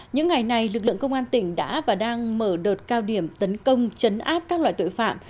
những ngày này lực lượng công an tỉnh đã và đang mở đợt cao điểm tấn công chấn áp các loại tội phạm